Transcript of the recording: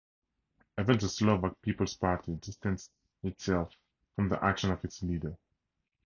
Even the Slovak People's Party distanced itself from the action of its leader.